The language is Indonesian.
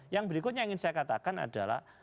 yang berikutnya yang ingin saya katakan adalah